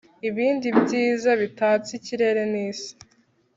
Ibindi byiza bitatse ikirere n’isi